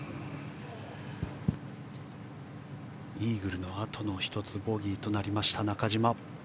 イーグルのあとの１つ、ボギーとなった中島。